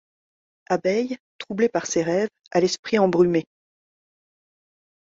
Abeille, troublée par ses rêves, a l'esprit embrumé.